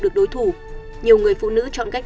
được đối thủ nhiều người phụ nữ chọn cách